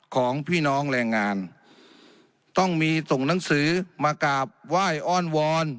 ของพี่น้องแรงงานต้องมีส่งหนังสือมากราบไหว้อ้อนวอน